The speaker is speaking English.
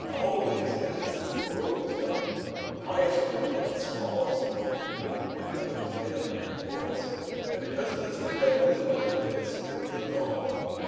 "Always, ever since the world was young, Mice have been among the smallest of the little people of the Green Meadows and the Green Forest, and because of this they have had to live by their wits if they would live at all.